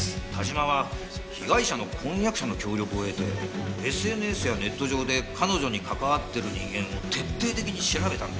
但馬は被害者の婚約者の協力を得てＳＮＳやネット上で彼女に関わってる人間を徹底的に調べたんだ。